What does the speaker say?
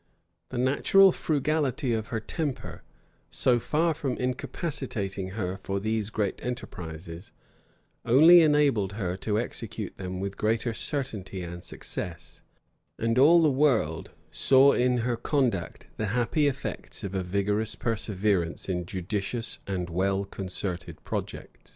[*] The natural frugality of her temper, so far from incapacitating her for these great enterprises, only enabled her to execute them with greater certainty and success; and all the world, saw in her conduct the happy effects of a vigorous perseverance in judicious and well concerted projects.